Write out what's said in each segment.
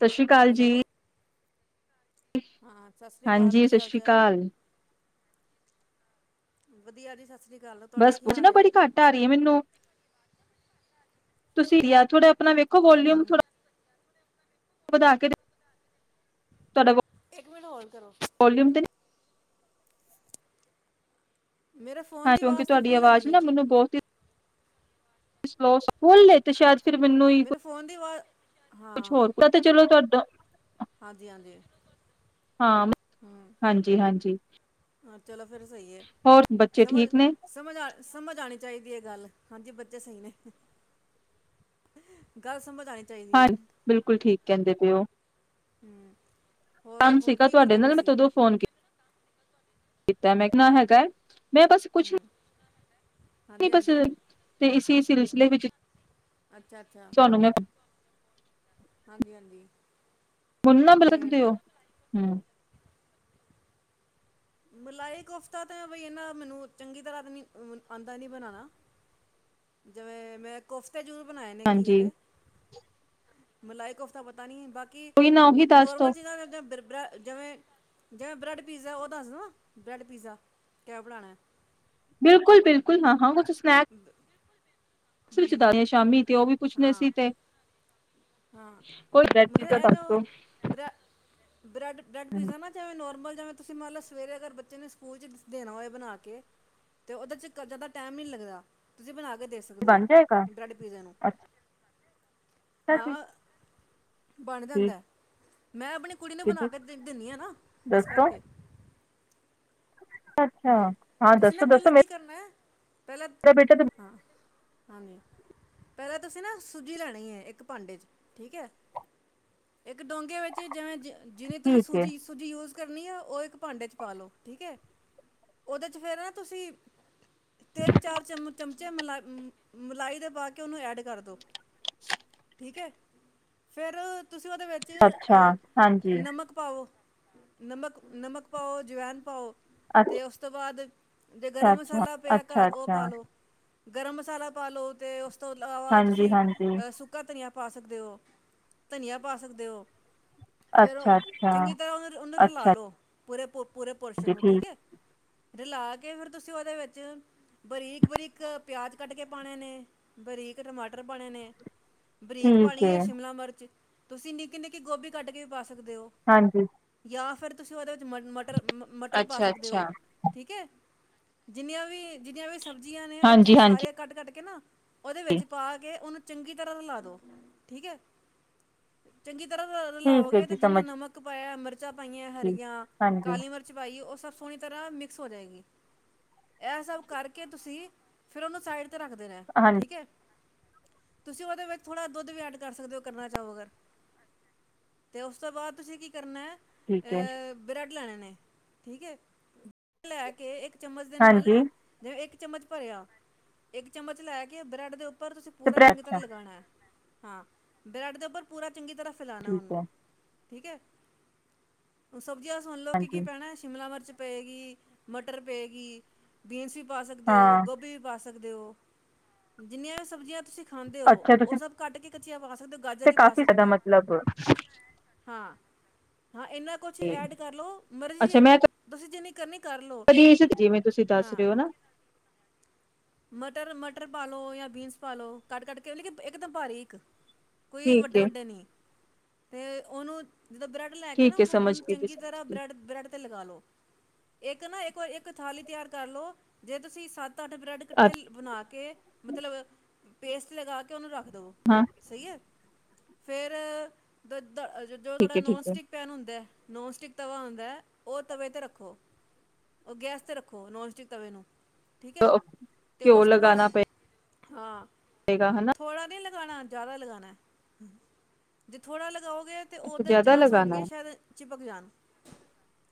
ਸਤਿ ਸ੍ਰੀ ਅਕਾਲ ਹੈਲੋ ਜੀ। ਹਾਂ ਸਤਿ ਸ੍ਰੀ ਅਕਾਲ ਹਾਂਜੀ ਕੀ ਸਤਿ ਹਾਲ ਸ੍ਰੀ ਚਾਲ? ਅਕਾਲ, ਵਧੀਆ ਜੀ ਸਤ ਬਸ ਪੁੱਛ ਨਾ ਬੜੀ ਘੱਟ ਆ ਰਹੀ ਹੈ ਮੈਨੂੰ। ਤੁਸੀਂ ਯ ਥੋੜਾ ਆਪਣਾ ਵੇਖ ਦੇਖੋ ਵੋਲਯੁਮ ਥੋੜਾ ਵਧਾ ਕੇ ਤੁਹਾਡਾ ਇੱਕ ਮਿੰਟ ਹੋਲਡ ਕਰੋ। ਵੋਲੀਅਮ ਤੇ ਮੇਰੇ ਫੋਨ ਹਾਂ ਦੀ ਕਿਉਂਕਿ ਆਵਾਜ਼ ਤਾਂ ਤੁਹਾਡੀ ਫੁੱਲ ਆਵਾਜ਼ ਹੈਗੀ ਨਾ ਹੈ ਮੈਨੂੰ ਬਹੁਤ ਹੀ ਅਵਾਜ ਫੁੱਲ ਵੇ ਤੇ ਸ਼ਾਇਦ ਫਿਰ ਮੈਨੂੰ ਹੀ ਮੇਰੇ ਫੋਨ ਦੀ ਆਵਾਜ਼ ਕੁਛ ਹਾਂ ਹੋਰ ਤੇ ਚਲੋ ਤੁਹਾਡ ਤਾਂ ਹਾਂਜੀ ਹਾਂਜੀ ਹਾਂ ਹਮ ਹਾਂਜੀ ਹਾਂਜੀ ਹਾਂ ਚਲੋ ਫਿਰ ਸਹੀ ਹੈ ਸਮਝ ਠੀਕ ਨੇ? ਸਮਝ ਸਮਝ ਅਨੀ ਚਾਹੀਦੀ ਹੈ। ਚਾਹੀਦੀ ਹੈ ਗੱਲ ਹਾਂਜੀ ਬੱਚੇ ਸਹੀ ਨੇ ਗੱਲ ਸਮਝ ਆਉਣੀ ਚਾਹੀਦੀ ਹੈ ਹਾਂਜੀ ਬਿਲਕੁਲ ਠੀਕ ਕਹਿੰਦੇ ਪਏ ਉਹ। ਹਮ ਹੋਰ ਕੰਮ ਹੋਰ ਸਿਗਾ ਕੀ ਤੁਹਾਡੇ ਕਰਦੇ ਪਏ ਨਾਲ ਮੈਂ ਸੀ ਤਦੋਂ ਫੋਨ ਕੀਤਾ। ਕਿ ਕੀਤਾ ਮੈਂ ਕਿ ਨ ਹੈਗਾ ਹੈ ਮੈਂ ਬਸ ਕੁਛ ਨੀ ਹਾਂਜੀ ਪਸ ਤੇ ਇਸ [unintelligible] [unintelligible] ਵਿੱਚ ਅੱਛਾਅੱਛਾ ਤੁਹਾਨੂੰ ਮੈਂ ਹਾਂਜੀ ਹਾਂਜੀ ਮੁ ਨਾ ਅਤੇ ਬਲਕ ਦੇਓ ਹਮ ਮਲਾਈ ਕੋਫਤਾ ਤਾਂ ਬਈ ਇਹ ਨਾ ਮੈਨੂੰ ਚੰਗੀ ਤਰ੍ਹਾਂ ਨੀ ਆਉਂਦਾ ਨੀ ਬਣਾਉਣਾ ਜਿਵੇਂ ਮੈਂ ਕੋਫਤਾ ਤਾਂ ਜਰੂਰ ਬਣਾਏ ਨੇ ਘਿਏ ਹਾਂਜੀ ਦੇ ਮਲਾਈ ਕੋਫਤਾ ਪਤਾ ਨੀ ਬਾਕੀ ਉਹੀ ਨਾ ਉਹੀ ਦੱਸ ਦੋ ਨੋਰਮਲ ਚੀਜ਼ਾਂ ਜਿਵੇਂ ਬ੍ਰੈਡ ਪੀਜ਼ਾ ਉਹ ਦੱਸਦਾ ਬ੍ਰੈਡ ਪੀਜ਼ਾ ਕਿਆ ਬਣਾਣਾ ਬਿਲਕੁਲ ਬਿਲਕੁਲ ਨਾ ਹੋਗਾ ਤੁਸੀਂ ਸਨੈਕਸ [unintelligible] ਨੇ ਸ਼ਾਮੀ ਤੇ ਉਹ ਵੀ ਪੁੱਛਣੇ ਹਾਂ ਸੀ ਤੇ ਹਾਂ ਕੋਈ ਮਤਲਬ [unintelligible] ਦਸਦੋ ਬਰੈਡ ਬ੍ਰੈਡ ਪੀਜ਼ਾ ਨਾ ਜਿਵੇਂ ਨੋਮਰਮਲ ਜਿਵੇਂ ਤੁਸੀਂ ਮੰਨ ਲਓ ਸਵੇਰੇ ਅਗਰ ਬੱਚੇ ਨੂੰ ਸਕੂਲ ਚ ਦੇਣਾ ਹੋਏ ਬਣਾ ਕੇ ਤੇ ਉਹਦੇ ਚ ਜ਼ਿਆਦਾ ਟਾਈਮ ਨੀ ਲੱਗਦਾ ਤੁਸੀਂ ਬਣਾ ਕੇ ਦੇ ਸਕਦੇ ਹੋ ਬਣ ਜਾਏਗਾ ਬ੍ਰੈਡ ਪੀਜ਼ੇ ਨੂੰ ਅੱਛਾ ਹਾਂ [unintelligible] ਬਣ ਜਾਂਦਾ ਹੈ ਠੀਕ ਮੈਂ ਆਪਣੀ ਕੁੜੀ ਨੂੰ ਬਣਾ ਹੈ ਜੀ ਕੇ ਦਿੰਦੀ ਹ ਨਾ ਇਸ ਦੱਸੋ ਕਰਕੇ ਅੱਛਾ ਹਮ ਹਾਂ ਤੁਸੀਂ ਨਾ ਦੱਸੋ ਦੱਸੋ ਪਹਿਲਾਂ ਕੀ ਕਰਨਾ ਹੈ ਪਹਿਲਾਂ ਮੇਰਾ ਬੇਟਾ ਤਾਂ ਹਾਂਜੀ ਪਹਿਲਾਂ ਤੁਸੀਂ ਨਾ ਸੂਜੀ ਲੈਣੀ ਹੈ ਇੱਕ ਭਾਂਡੇ ਚ ਠੀਕ ਹੈ ਇੱਕ ਡੋਂਘਗੇ ਵਿੱਚ ਜਿਵੇਂ ਜਿਵੇਂ ਤੁਸੀਂ ਠੀਕ ਹੈ ਸੂਜੀ ਸੂਜੀ ਯੂਜ ਕਰਨੀ ਆ ਉਹ ਇੱਕ ਭਾਂਡੇ ਚ ਪਾਲੋ ਠੀਕ ਹੈ ਉਹਦੇ ਚ ਫੇਰ ਨਾ ਤੁਸੀਂ ਤਿੰਨ ਚਾਰ ਚਮਚ ਮ ਚਮਚੇ ਮਲਾਈ ਮਲਾਈ ਦੇ ਪਾ ਕੇ ਉਹਨੂੰ ਐਡ ਕਰ ਦਿਉ ਠੀਕ ਹੈ ਫਿਰ ਤੁਸੀਂ ਉਹਦੇ ਵਿੱਚ ਅੱਛਾ ਅਹ ਹਾਂਜੀ ਨਮਕ ਪਾਵੋ ਨਮਕ ਨਮਕ ਪਾਓ ਜਵੈਨ ਪਾਓ ਅਤੇ ਅੱਛਾ ਉਸ ਤੋਂ ਬਾਅਦ ਜੇ ਗਰਮ ਅੱਛਾ ਮਸਾਲਾ ਪਿਆ ਅੱਛਾ ਘਰ ਉਹ ਅੱਛਾ ਪਾਾਲੋ ਗਰਮ ਮਸਾਲਾ ਪਾ ਲਉ ਅਤੇ ਉਸ ਤੋਂ ਇਲਾਵਾ ਹਾਂਜੀ ਤੁਸੀਂ ਹਾਂਜੀ ਅਹ ਸੁੱਕਾ ਧਨੀਆ ਪਾ ਸਕਦੇ ਹੋ ਧਨੀਆ ਪਾ ਸਕਦੇ ਹੋ ਫੇਰ ਅੱਛਾ ਅੱਛਾ ਚੰਗੀ ਤਰ੍ਹਾਂ ਉਹਨੂੰ ਉਹਨੂੰ ਰਲਾ ਅੱਛਾ ਲੋ ਪੂਰੇ ਪ ਪੂਰੇ ਪੋਰਸ਼ਨ ਨੂੰ ਠੀਕ ਹੈ ਡਲਾ ਕੇ ਫਿਰ ਤੁਸੀਂ ਉਹਦੇ ਵਿੱਚ ਬਰੀਕ ਬਰੀਕ ਪਿਆਜ਼ ਕੱਟ ਕੇ ਪਾਉਣੇ ਨੇ ਬਰੀਕ ਟਮਾਟਰ ਪਾਣੇ ਨੇ ਬਰੀਕ ਪਾਣੀ ਹੈ ਸ਼ਿਮਲਾ ਮਿਰਚ ਤੁਸੀਂ ਨਿੱਕੇ ਨਿੱਕੇ ਗੋਭੀ ਕੱਟ ਕੇ ਵੀ ਪਾ ਸਕਦੇ ਹੋ ਹਾਂਜੀ ਯਾ ਫਿਰ ਤੁਸੀਂ ਉਹਦੇ ਮਟਰ ਮਟਰ ਪਾ ਅੱਛਾ ਸਕਦੇ ਅੱਛਾ ਹੋ ਠੀਕ ਹੈ ਜਿੰਨੀਆਂ ਵੀ ਜਿੰਨੀਆਂ ਵੀ ਸਬਜ਼ੀਆਂ ਨੇ ਉਹ ਹਾਂਜੀ ਤੁਸੀਂ ਹਾਂਜੀ ਸਾਰੇ ਕੱਟ ਕੱਟ ਕਿਨਾ ਉਹਦੇ ਵਿੱਚ ਪਾ ਕੇ ਉਹਨੂੰ ਚੰਗੀ ਤਰ੍ਹਾਂ ਲਾ ਦੋ ਠੀਕ ਹੈ ਚੰਗੀ ਤਰ੍ਹਾਂ ਠੀਕ ਹੈ ਰਲਾਓਗੇ ਜੀ ਤੇ ਜਿੰਨਾ ਸਮਝ ਨਮਕ ਪਾਇਆ ਮਿਰਚ ਮਚ ਪਾਈਆਂ ਗਈ ਹਰੀਆਂ ਹਾਂਜੀ ਕਾਲੀ ਮਿਰਚ ਪਾਈਏ ਉਹ ਸਭ [unintelligible] ਤਰ੍ਹਾਂ ਮਿਕਸ ਹੋ ਜਾਏਗੀ ਇਹ ਸਭ ਕਰਕੇ ਤੁਸੀਂ ਫਿਰ ਉਹਨੂੰ ਸਾਈਡ ਤੇ ਰੱਖਦੇ ਨੇ ਹਾਂਜੀ ਠੀਕ ਹੈ ਤੁਸੀਂ ਉਹਦੇ ਵਿੱਚ ਥੋੜਾ ਦੁੱਧ ਵੀ ਐਡ ਕਰ ਸਕਦੇ ਹੋ ਕਰਨਾ ਚਾਹੋ ਅਗਰ ਤੇ ਉਸ ਤੋਂ ਬਾਅਦ ਤੁਸੀਂ ਕੀ ਕਰਨਾ ਠੀਕ ਹੈ ਬ੍ਰੈਡ ਲੈਣੇ ਨੇ ਠੀਕ ਏ ਲੈ ਕੇ ਇੱਕ ਚਮਚ ਦੇ ਨਾਲ ਹਾਂਜੀ ਨਾ ਜ ਇੱਕ ਚਮਚ ਭਰਿਆ ਇੱਕ ਚਮਚ ਲੈ ਕੇ ਬ੍ਰੈਡ ਦੇ ਉੱਪਰ ਪਰ ਤੁਸੀਂ ਪੂਰਾ ਚੰਗੀ ਅੱਛਾ ਤਰ੍ਹਾਂ ਲਗਾਉਣਾ ਹੈ ਹਾਂ ਬਰੈਡ ਦੇ ਉੱਪਰ ਪੂਰਾ ਚੰਗੀ ਤਰ੍ਹਾਂ ਸਜਾਣਾ ਠੀਕ ਉਹਨੂੰ ਹੈ ਠੀਕ ਹੈ ਉਸ ਸਬਜ਼ੀਆਂ ਸੁਣ ਲਓ ਕਿ ਹਾਂਜੀ ਕੀ ਪੈਣਾ ਸ਼ਿਮਲਾ ਮਿਰਚ ਪਏਗੀ ਮਟਰ ਪਏਗੀ ਬੀਨਸ ਹੀ ਪਾ ਸਕਦੇ ਹੋ ਹਾਂ ਗੋਭੀ ਵੀ ਪਾ ਸਕ ਕਰਦੇ ਹੋ ਜਿੰਨੀਆਂ ਵੀ ਸਬਜ਼ੀਆਂ ਤੁਸੀਂ ਖਾਂਦੇ ਹੋ ਅੱਛਾ ਉਹ ਤੁਸੀਂ ਸਭ ਕੱਟ ਕੇ [unintelligible] ਸਕਦੇ ਹੋ ਗਾਜਰ ਤੇ ਹੀ ਪਾ ਕਾਫ਼ੀ ਜ਼ਿਆਦਾ ਸਕਦੇ ਹੋ ਮਤਲਬ ਹਾਂ ਹਾਂ ਇੰਨਾ ਕੁਛ ਐਡ ਕਰ ਲੋ ਮਰਜ਼ੀ ਅੱਛਾ ਮੈਂ ਤੁਸੀਂ ਜਿੰਨੀ ਕਰਨੀ ਕਰ ਲਓ ਜਿਵੇਂ ਤੁਸੀਂ ਦੱਸ ਹਾਂ ਰਹੇ ਹੋ ਨਾ ਮਟਰ ਮਟਰ ਪਾ ਲਉ ਜਾਂ ਬੀਨਸ ਪਾ ਲਓ ਕੱਟ ਕੱਟ ਕੇ ਲੇਕਿਨ ਇੱਕ ਦਮ ਭਾਰੀ ਇੱਕ ਕੋਈ ਠੀਕ ਹੈ ਵੱਡੇ-ਵੱਡੇ ਨੀ, ਤੇ ਉਹਨੂੰ, ਜਦ ਬਰੈਡ ਲੈ ਕੇ ਨਾ ਠੀਕ ਹੈ ਉਹਨੂੰ ਸਮਝ ਉਹਨੂੰ ਗਈ ਜੀ ਚੰਗੀ ਸਮਝ ਤਰ੍ਹਾਂ ਗਈ ਬ੍ਰੈਡ ਬ੍ਰੈਡ ਤੇ ਲ [unintelligible] ਇੱਕ ਨਾ ਇੱਕ ਵਾਰ ਇੱਕ ਥਾਲੀ ਤਿਆਰ ਕਰ ਲੋ ਜੇ ਤੁਸੀਂ ਸੱਤ ਤਦ ਬ੍ਰੈਡ ਇਕੱਠੇ ਬਣਾ ਕੇ ਮਤਲਬ, ਪੇਸਟ ਲਗਾ, ਕੇ ਉਹਨੂੰ ਰੱਖ ਦੋ ਹਾਂ ਸਹੀ ਹੈ। ਫੇਰ ਦ ਦਾ ਜੋ ਠੀਕ ਤੁਹਾਡਾ ਹੈ ਨੋਨ ਠੀਕ ਹੈ ਸਟਿਕ ਪੈਨ ਹੁੰਦਾ ਹੈ ਨੋਨ ਸਟਿਕ ਤਵਾ ਹੁੰਦਾ ਹੈ, ਉਹ ਤਵੇ ਤੇ ਰੱਖ ਰੱਖੋ ਉਹ ਗੈਸ ਤੇ ਰੱਖੋ ਨੋਨ ਸਟਿਕ ਤਵੇ ਨੂੰ ਠੀਕ ਹੈ ਤੇ ਘਿਓ ਉਸ ਤੋਂ ਬਾਅਦ, ਲਗਾਨਾ ਹਾਂ, ਪਏਗਾ ਹਨਾ। ਲਾਣਾ ਜਿਆਦਾ ਲਗਾਣਾ ਜੇ ਥੋੜਾ ਲਣਾ ਓਗੇ ਤੇ ਉਦੇ ਜ਼ਿਆਦਾ ਚਾਂਸ ਲਗਾਨਾ ਹੋਣਗੇ ਹੈ ਸ਼ਾਇਦ ਚਿ ਪਕ ਜਾਣ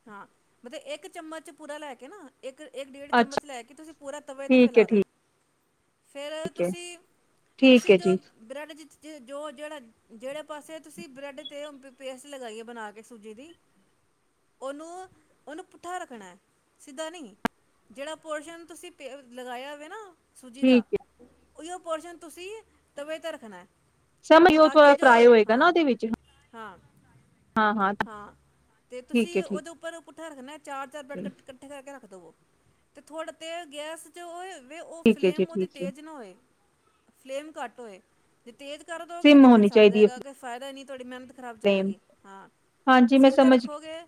ਹਾਂ। ਮਤਲਬ ਇੱਕ ਚਮਚ ਪੂਰਾ ਲੈ ਕੇ ਨਾ, ਇੱਕ ਇੱਕ ਡੇਢ ਚਮਚ ਅੱਛਾ ਲੈ ਕੇ ਤੁਸੀਂ ਪੂਰਾ ਤਵੇ 'ਤੇ ਠੀਕ ਹੈ ਫੈਲਾ ਦੋ, ਫਿਰ ਠੀਕ ਹੈ ਠੀਕ ਤੁਸੀਂ-ਤੁਸੀਂ ਹੈ ਜੋ ਜੀ ਬ੍ਰੈਡ ਜਿ ਜੋ ਜਿਹੜਾ ਜਿਹੜੇ ਪਾਸੇ ਤੁਸੀਂ ਬ੍ਰੈਡ ਤੇ ਪੇਸਟ ਲਗਾਈ ਏ ਬਣਾ ਕੇ ਸੂਜੀ ਦੀ ਉਹਨੂੰ, ਉਹਨੂੰ ਪੁੱਠਾ ਰੱਖਣਾ ਹੈ, ਸਿੱਧਾ ਨਹੀਂ ਜਿਹੜਾ ਪੋਰਸ਼ਨ ਤੁਸੀਂ ਲਗਾਇਆ ਵੇ ਨਾ, ਸੂਜੀ ਦਾ, ਠੀਕ ਹੈ ਔਈ ਓ ਪੋਰਸ਼ਨ ਤੁਸੀਂ ਤਵੇ ਤੇ ਰੱਖਣਾ, ਸਮਝ ਲੋ ਉਹ ਤਾਂ ਥੋੜ੍ਹਾ ਕਿ ਜੋ ਫਰਾਈ ਹੋਏਗਾ, ਨਾ ਹਾਂ ਉਹਦੇ ਵਿੱਚ ਹਾਂ ਹਾਂ-ਹਾਂ ਹਾਂ ਤੇ ਠੀਕ ਤੁਸੀਂ ਹੈ ਠੀਕ, ਉਹਦੇ ਉੱਪਰ ਪੁੱਠਾ ਰੱਖਣਾ ਚਾਰ-ਚਾਰ ਬ੍ਰੈਡ ਹੈ ਕੱਠੇ-ਕੱਠੇ ਕਰ ਕੇ, ਰੱਖ ਦੇਵੋ ਤੇ ਥੋੜੇ ਤੇ ਗੈਸ ਚ ਉਹ ਕਿਵੇ ਉਹ ਠੀਕ ਹੈ ਜੀ ਫਲੇਮ ਓਹਦੀ ਠੀਕ ਹੈ ਤੇਜ਼ ਨਾ ਹੋਏ। ਫਲੇਮ ਘੱਟ ਹੋਏ ਤੇ ਤੇਜ਼ ਕਰਦੋਗੇ ਸਿਮ ਤੇ ਫਿਰ ਹੋਣੀ ਸੜ ਚਾਹੀਦੀ ਹੈ ਜਾਏਗਾ, ਫਾਇਦਾ ਨਹੀਂ, ਤੁਹਾਡੀ [unintelligible] ਖਰਾਬ ਫਲੇਮ ਜਾਏਗੀ ਹਾਂ ਹਾਂਜੀ ਮੈਂ ਸੀਮ ਤੇ ਸਮਝ ਰੱਖੋਗੇ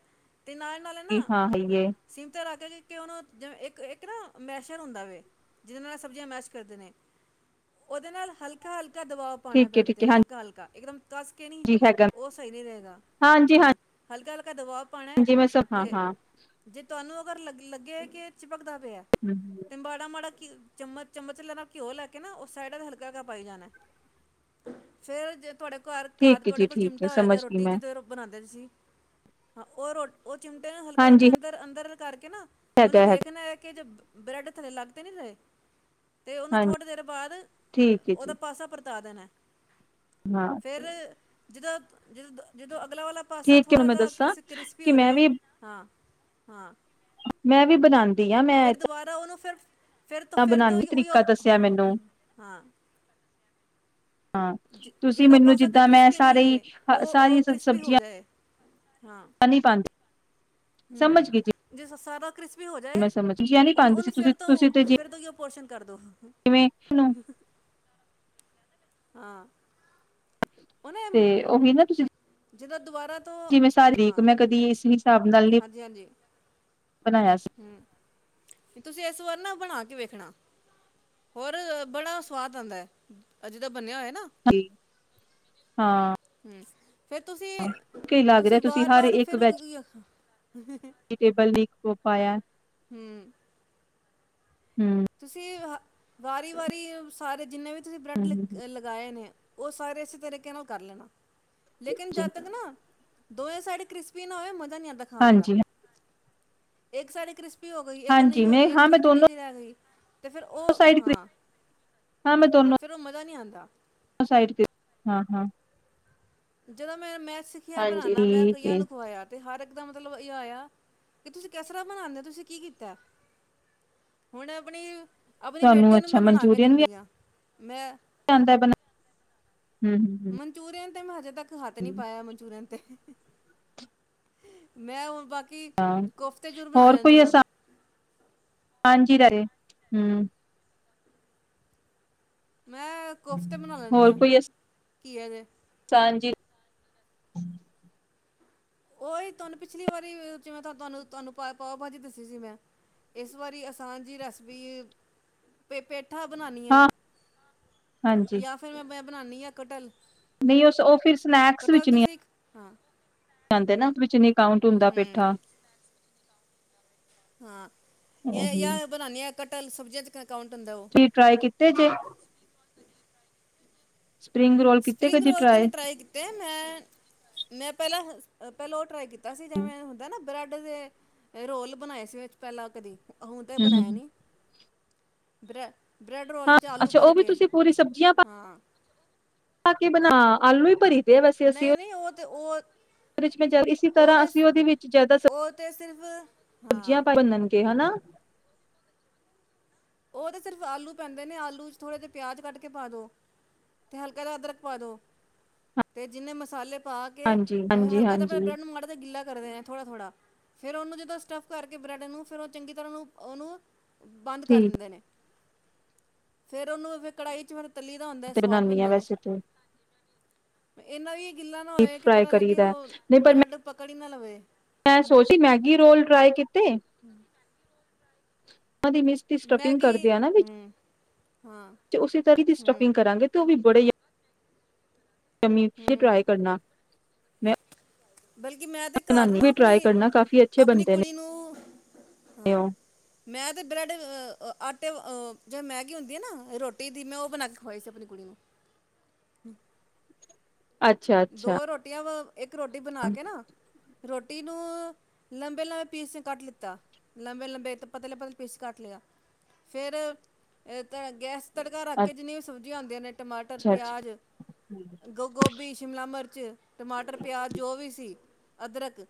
ਤੇ ਨਾਲ, ਨਾਲੇ ਨਾ ਗਈ ਹਾਂ ਹੈ ਸੀਮ ਤੇ, ਲਾਗ ਕਿ ਉਹ ਨਾ ਜਿਵੇਂ ਇੱਕ ਇੱਕ ਨਾ ਮੈਸ਼ਰ ਹੁੰਦਾ ਵ ਜਿਹਦੇ ਨਾਲ ਸਬਜ਼ੀਆਂ ਮੈਸ਼ ਕਰਦੇ ਨੇ ਉਹਦੇ ਨਾਲ ਹਲਕਾ ਹਲਕਾ ਹਲਕਾ ਦਬਾ ਪਾਣਾ, ਠੀਕ ਹੈ ਬ੍ਰੈਡ ਠੀਕ ਤੇ ਹੈ ਹਲਕਾ- ਹਲਕਾ। ਇੱਕਦਮ। ਦੱਸ ਕੇ ਨਹੀਂ, ਹਾਂਜੀ ਹੈਗਾ ਉਹ ਸਹੀ ਨਹੀਂ ਰਹੇਗਾ। ਹਾਂਜੀ ਹ ਹਲਕਾ ਲ ਕ ਦਵਾਬ ਪਾਣਾ ਹਾਂਜੀ ਮੈਂ ਸਭ ਹਾਂ ਤੇ ਹਾਂ ਜੇ ਤੁਹਾਨੂੰ ਅਗਰ ਲੱਗੇ ਲੱਗੇ ਕਿ ਭਗਦਾ ਪਿਆ ਤੇ ਮਾੜਾ- ਮਾੜਾ ਚਮਚ, ਚਮਚ ਲ ਨਾਲ ਘਿਓ ਲੈ ਕੇ ਨਾ, ਉਹ ਸਾਈਡ ਦਾ ਹਲਕਾ-ਹਲਕਾ ਪਾਈ ਜਾਣਾ, ਫੇਰ ਜੇ ਤੁਹਾਡੇ ਕੋਲ ਘਰ- ਘਰ ਠੀਕ ਹੈ ਤੁਹਾਡੇ ਜੀ ਕੋਲ ਠੀਕ ਹੈ ਚਿਮਟਾ ਸਮਝ ਹੋਏਗਾ, ਗਈ ਰੋਟੀ ਮੈਂ ਜਿਦੋਂ ਬਣਾਂਦੇ ਤੁਸੀ ਹਾਂ, ਉਹ ਰੋ ਉਹ ਚਿਮਟੇ ਨਾਲ ਹਲਕਾ-ਹਲਕਾ, ਹਾਂਜੀ ਅੰਦਰ- ਅੰਦਰ ਕਰਕੇ ਨਾ ਉਹਨੂੰ ਹੈਗਾ ਹੈਗਾ ਵੇਖਣਾ ਹੈ ਕਿ ਜ ਬ੍ਰੈਡ ਥੱਲੇ ਲੱਗ ਤੇ ਨੀ ਰਹੇ। ਤੇ ਉਹਨੂੰ ਹਾਂਜੀ ਥੋੜੇ ਦੇਰ ਬਾਅਦ, ਠੀਕ ਹੈ ਉਹਦਾ ਜੀ ਪਾਸਾ ਪਰ ਦੇਣਾ ਹਾਂ [inaudible] ਫਿਰ ਜਿਦਾਂ, ਜਦੋਂ- ਜਦੋਂ ਅਗਲਾ ਵਾਲਾ ਪਾਸਾ ਠੀਕ ਹੈ ਥੋੜਾ ਮੈਂ ਜ ਦੱਸਾਂ ਕ੍ਰਿਸ-ਕ੍ਰਿਸਪੀ ਕਿ ਹੋ ਜੇ। ਮੈਂ ਵੀ ਹਾਂ, ਹਾਂ। ਮੈਂ ਵੀ ਬਣਾਂਦੀ ਆ ਮੈਂ ਫਿਰ ਦੁਬਾਰਾ ਉਹਨੂੰ ਫਿਰ ਫਿਰ ਤੋਂ- ਫਿਰ ਤੋਂ, ਬਣਾਉਦੀ ਉ ਤਰੀਕਾ ਦੱਸਿਆ ਹਾਂ, ਮੈਨੂੰ ਹਾਂ। ਹਾਂ, ਜ ਤੁਸੀਂ ਜਿਹੜਾ ਮੈਨੂੰ ਪਾਸਾ ਜੋ ਜਿੱਦਾਂ ਮੈਂ ਕ੍ਰਿਸਪੀ ਸਾਰੇ, ਨਹੀਂ ਹੈ ਉਹ ਉਹ ਸਾਰੀਆਂ ਸ ਕ੍ਰਿਸਪੀ ਹੋ ਜਾਏ ਹਾਂ ਸਬਜ਼ੀਆਂ ਨੀ ਪਾਂਦੀ, ਸਮਝ ਗਈ ਜੀ। ਵੀ ਹੋ ਮੈਂ ਜਾਏ, ਸਮਝ ਸਬਜ਼ੀਆਂ ਨਹੀਂ ਉਹਨੂੰ- ਪਾਉਂਦੀ ਸੀ ਉਹਨੂੰ ਫਿਰ ਤੁਸੀਂ ਤੁਸੀਂ ਤੇ ਤੋਂ, ਫਿਰ ਤੋਂ ਕੀ ਉਹ ਪੋਸ਼ਣ ਕਰ ਦੋ ਜਿਵੇਂ ਹਾਂ, ਤੇ ਉਹੀ ਨਾ ਤੁਸੀਂ, ਜਿੱਦੋਂ, ਜਿਵੇਂ ਸਾ ਠੀਕ ਮੈਂ ਕਦੀ ਇਸ ਹਿਸਾਬ ਨਾਲ ਨੀ, ਹਾਂ, ਤੁਸੀਂ ਇਸ ਵਾਰ ਨਾ ਬਣਾ ਕੇ, ਵੇਖਣਾ ਹੋਰ ਬੜਾ ਸਵਾਦ ਆਉਂਦਾ ਹੈ, ਅਜੇ ਦਾ ਬਣਿਆ ਹੋਇਆ, ਨਾ ਜੀ ਹਾਂ, [unintelligible] ਫੇਰ ਤੁਸੀਂ ਕੀ ਲੱਗ ਤੁਸੀਂ ਰਿਹਾ ਵਾਰ ਹਰ ਵਾਰ ਇੱਕ ਫਿਰ, ਵੈਜ ਪਾਇਆ। ਹੂੰ, ਤੁਸੀਂ ਹ ਵਾਰੀ ਵਾਰੀ ਸਾਰੇ ਜਿੰਨੇ ਵੀ, ਤੁਸੀਂ ਬ੍ਰੈਡ ਲਗਾਏ ਨੇ ਉਹ ਸਾਰੇ ਇਸੇ ਤਰੀਕੇ ਨਾਲ, ਕਰ ਲੈਣਾ। ਲੇਕਿਨ ਜਦ ਤੱਕ ਨਾ, ਦੋ ਸਾਈਡ ਕ੍ਰਿਸਪੀ ਨਾ ਹੋਏ ਮਜ ਮਜਾ ਨੀ ਆਂਦਾ ਖਾਣ ਦਾ, ਹਾਂਜੀ ਇੱਕ ਸਾਈਡ ਕ੍ਰਿਸਪ ਗਈ ਹਾਂਜੀ ਨਹੀਂ ਮੈਂ ਹੋਈ ਇੱਕ ਹਾਂ ਮੈਂ ਥੋੜੀ ਚਿੱਟੀ ਦੋਨੋ ਜਹੀ ਰਹਿ ਗਈ। ਤੇ ਫਿਰ ਉਹ ਸਾਈਡ ਹਾਂ ਮੈਂ ਹਾਂ-ਹਾਂ ਫਿਰ ਉਹ ਮਜ਼ਾ ਨੀ ਆ ਤਾਂ, ਦੋਨੋ ਸਾਈਡ ਪੇ ਹਾਂ-ਹਾਂ, ਜਦੋਂ ਮੈਂ-ਮੈ ਸਿੱਖਿਆ ਬਣਾਨਾ ਮੈਂ ਠੀਕ ਕਈਆਂ ਏ ਨੂੰ ਖਵਾਇਆ ਤੇ ਹਰ ਇੱਕ ਦਾ ਮਤਲਬ ਇਹ ਆਇਆ ਕਿ ਤੁਸੀਂ ਕਿਸ ਤਰਾ ਬਣਾਦੇ ਤੁਸੀਂ ਕੀ ਕੀਤਾ ਐ ਹੁਣ ਆਪਣੀ, ਆਪਣੀ ਤੁਹਾਨੂੰ ਬੇਟੀ ਨੂੰ ਮੈਂ ਬਣਾ ਕੇ ਦਿੰਦੀ ਆ। ਮੈਂ, ਜਾਂਦਾ ਬਣਾ, ਹੂੰ ਹੂੰ ਹੂੰ ਮਨਚੂਰੀਅਨ ਤੇ ਮੈਂ ਹਜੇ ਤੱਕ ਹੱਥ ਨੀ ਹੂੰ। ਪਾਇਆ ਮਨਚੂਰੀਅਨ ਤੇ, ਮੈਂ ਹੁਣ ਬਾ ਹਾਂ ਹੋਰ ਕੋਈ ਆਸਾਨ, ਕੀਰਾ ਹੂੰ, ਮੈਂ ਕੋਫਤਾ ਬਣਾ ਲੈਂਨੀ ਆ। ਘੀਏ ਦੇ, ਕਾਂਜੀ ਉਹ ਹੀ ਤੁਹਾਨੂੰ ਪਿਛਲੀ ਵਾਰੀ ਜਿਵੇਂ ਤੁਹਾਨੂੰ ਤੁਹਾਨੂੰ ਪਾਓ ਭਾਜੀ ਦੱਸੀ ਸੀ ਮੈਂ ਇਸ ਵਾਰੀ ਆਸਾਨ ਜੀ ਰੈਸਿਪੀ ਪੇ ਮਠਾ ਬਣਾਨੀ ਆ ਹਾਂ ਹਾਂਜੀ ਜਾਂ ਫਿਰ ਮੈਂ ਬਣਾਉਦੀ ਹਾਂ ਕਠਲ ਨਹੀਂ ਉਹ ਉਹ ਫਿਰ ਸਨੈਕਸ ਵਿੱਚ ਨਹੀਂ ਆ ਸਿੱਖ ਹਾਂ। ਜਾਂਦੇ ਨਾ ਵਿੱਚ [unintelligible] ਕਾਉਂਟ ਹੁੰਦਾ ਹੂੰ ਬੈਠਾ ਹਾਂ। ਇਹ ਯ ਬਣਾਨੀ ਆ ਕ [unintelligible] ਤੂਹੀ ਟਰਾਈ ਕੀਤੇ ਜੇ ਸਪਰਿੰਗ ਰੋਲ ਕੀਤੇ ਸਪਰਿੰਗ ਕਦੀ ਰੋਲ ਤੇ ਨੀ ਟਰਾਈ ਕੀਤੇ ਮੈਂ ਮੈਂ ਪਹਿਲਾਂ ਪਹਿਲਾਂ ਉਹ ਟਰਾਈ ਕੀਤਾ ਸੀਂ ਜਿਵੇਂ ਹੁੰਦਾ ਨਾ ਬ੍ਰੈਡ ਦੇ ਰੋਲ ਬਣਾਏ ਸੀ ਵਿੱਚ ਪਹਿਲਾਂ ਕਦੀ ਹੁਣ ਤੇ ਹੂੰ ਬਣਾਇਆ ਹੂੰ ਨੀ। ਬ੍ਰੇ ਹਾਂ ਅੱਛਾ ਉਹ ਵੀ ਤੁਸੀਂ ਪੂਰੀ ਸਬਜ਼ੀਆਂ ਪਾ ਹਾਂ ਪਾ ਕੇ ਬਣਾ ਆਲੂ ਹੀ ਭਰੀ ਦੇਵਸੀ ਅਸੀ ਨਹੀਂ ਉਹ ਨਹੀਂ ਤੇ ਉਹ ਇਸ ਤਰ੍ਹਾਂ ਅਸੀਂ ਉਹਦੇ ਵਿੱਚ ਜ਼ਿਆਦਾ ਉਹ ਤੇ ਸਿਰਫ ਸਬਜ਼ੀਆਂ ਹਾਂ ਭੂਣਗੇ ਹਨਾ ਉਹ ਤਾਂ ਸਿਰਫ ਆਲੂ ਪੈਂਦੇ ਨੇ ਆਲੂ ਵਿੱਚ ਥੋੜ੍ਹੇ ਜਿਹੇ ਪਿਆਜ਼ ਕੱਢ ਕੇ ਪਾ ਦਉ ਅਤੇ ਹਲਕਾ ਦਾ ਅਦਰਕ ਪਾ ਦਿਉ ਅਤੇ ਜਿੰਨੇ ਮਸਾਲੇ ਪਾ ਕੇ ਹਾਂਜੀ ਹਾਂਜੀ ਹਲਕਾ ਤਾਂ ਹਾਂਜੀ ਬ੍ਰੈਡ ਨੂੰ ਮਾੜਾ ਤਜਿਹਾ ਗਿੱਲਾ ਕਰਦੇ ਥੋੜਾ ਥੋੜਾ ਫੇਿਰ ਉਹਨੂੰ ਜਦੋਂ ਸਟੱਫ ਕਰਕੇ ਬ੍ਰੈਡ ਨੂੰ ਫੇਰ ਉਹ ਚੰਗੀ ਤਰ੍ਹਾਂ ਉਹਨੂੰ ਉਹਨੂੰ ਕਰ ਠੀਕ ਦਿੰਦੇ ਨੇ ਫੇਰ ਉਹਨੂੰ ਫੇਰ ਕੜਾਹੀ ਚ ਵਰ ਤੇ ਬਣਾਾਨੀ ਆ ਵੈਸੇ ਤੂੰ ਇਹੰਨਾ ਵੀ ਗਿੱਲਾ ਨਾ ਡੀਪ ਹੋਏ ਕਿ ਫਰਾਈ ਪਤਾ ਕਰੀ ਲੱਗੇ ਦਾ ਉਹ ਨਹੀਂ ਪਰ ਮੈਂ ਬ੍ਰੈਡ ਪਕੜ ਹੀ ਨਾ ਲਵੇ ਮੈਂ ਸੋਚ ਮੈਗੀ ਰੋਲ ਟਰਾਈ ਕੀਤੇ। [unintelligible] [inaudible] ਦੀ ਮਿਸ ਦੀ ਸਟਪਿੰਗ ਮੈਗੀ ਕਰਦੇ ਆ ਨਾ ਹੂੰ ਹਾਂ ਵਿਚ ਉਸੇ ਤਰ੍ਹਾਂ ਦੀ ਹੂੰ ਸਟਫਿਗ ਕਰਾਂਗੇ ਤੇ ਉਹ ਵੀ [inaudible] ਜ਼ਮੀ ਹੂੰ ਟਰਾਈ ਕਰਨਾ ਮੈਂ, ਬਲਕਿ ਮੈਂ ਤਾਂ ਘਰ ਬਣਾਨੀ ਨਾ ਵੀ ਟਰਾਈ ਕਰਨਾ ਕਾਫੀ ਅੱਛੇ ਆਪਣੀ-ਆਪਣੀ ਬਣਦੇ ਕੁੜੀ ਨੂੰ ਨੇ ਹਾਂ ਉਹ ਮੈਂ ਤਾਂ ਬਰੈਡ ਆ ਆਟੇ ਅਹ ਜੋ ਮੈਗੀ ਹੁੰਦੀ ਆ ਨਾ ਰੋਟੀ ਦੀ ਮੈਂ ਉਹ ਬਣਾ ਕੇ ਖਵਾਈ ਸੀ ਆਪਣੀ ਕੁੜੀ ਨੂੰ, ਅੱਛਾ ਅੱਛਾ ਦੋ ਰੋਟੀਆਂ ਵ, ਇੱਕ ਰੋਟੀ ਬਣਾ ਕੇ ਨਾ, ਰੋਟੀ ਨੂੰ ਲੰਬੇ-ਲੰਬੇ ਪੀਸ ਨੇ ਕੱਟ ਲਿੱਤਾ ਲੰਬੇ-ਲੰਬੇ ਪਤਲੇ-ਪਤਲੇ ਪੀਸ ਕੱਟ ਲਿਆ ਫਿਰ ਤਾਂ ਗੈਸ, ਤੜਕਾ ਰੱਖ ਕੇ ਜਿੰਨੇ ਸ ਆਦੇ ਨੇ, ਟਮਾਟਰ ਅੱਛਾ ਅੱਛਾ ਪਿਆਜ਼ ਗ ਗੋਭੀ ਸ਼ਿਮਲਾ ਮਿਰਚ ਟਮਾਟਰ ਪਿਆਜ਼ ਜੋ ਵੀ ਸੀ ਅਦਰਕ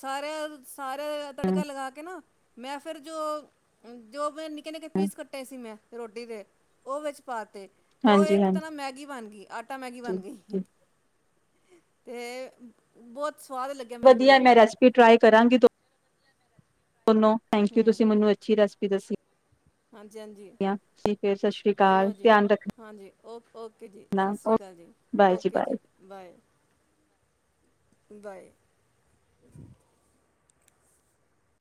ਸਾਰਿਆਂ ਸਾਰਾ ਤੜਕਾ ਲਗਾ ਕੇ ਨਾ ਮੈਂ ਫਿਰ ਜੋ-ਜੋ ਮੈਂ ਨ ਨਿਕੇ-ਨਿਕੇ ਪੀਸ ਕੱਟੇ ਸੀ ਮੈਂ, ਰੋਟੀ ਦੇ ਉਹ ਵਿੱਚ ਪਾ ਤੇ ਉਹ ਹਾਂਜੀ ਇੱਕ ਤਾਂ ਹਾਂਜੀ ਨਾ ਮੈਗੀ ਬਣ ਗਈ। ਆਟਾ ਮੈਗੀ ਬਣ ਗਈ। ਤੇ ਬਹੁਤ, ਸਵਾਦ ਲੱਗਿਆ ਮੇਰੀ ਵਧੀਆ ਗੁੜੀਆਂ ਮੈਂ ਨੂੰ ਰੈਸਪੀ ਟਰਾਈ ਕਰਾਂਗੀ ਤ ਦੋਨੋ ਥੈਂਕ ਯੂ ਹੂੰ ਤੁਸੀਂ ਮੈਨੂੰ ਅੱਛੀ ਰੈਸਪੀ, ਦੱਸੀ। ਹਾਂਜੀ ਹਾਂਜੀ ਠੀਕ ਐ ਸਤਿ ਸ੍ਰੀ ਅਕਾਲ ਧਿਆਨ ਰੱਖ ਔਫ ਔਫ [unintelligible] ਓਕੇ ਜੀ ਸਤਿ ਸ਼੍ਰੀ ਅਕਾਲ ਜੀ ਬਾਏ ਓਕੇ ਬਾਏ। ਜੀ ਬਾਏ। ਬਾਏ,